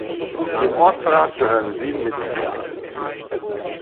Dem Ortsrat gehören sieben Mitglieder an.